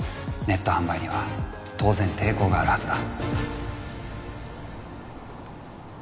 ネット販売には当然抵抗があるはずだ